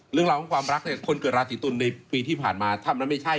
เรื่องราวของความรักเนี่ยคนเกิดราศีตุลในปีที่ผ่านมาถ้ามันไม่ใช่